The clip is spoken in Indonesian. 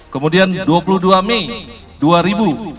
kemudian dua puluh dua mei dua ribu dua puluh empat